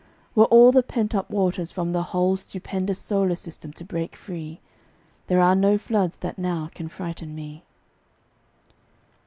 Were all the pent up waters from the whole Stupendous solar system to break free, There are no floods that now can frighten me.